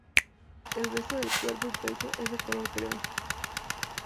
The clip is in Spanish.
El resto del cuerpo y pecho es de color crema.